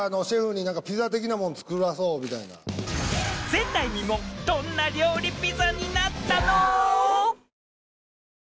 秡安緻などんな料理ピザになったの？